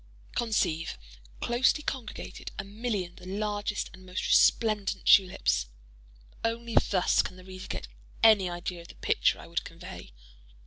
Conceive, closely congregated, a million of the largest and most resplendent tulips! Only thus can the reader get any idea of the picture I would convey.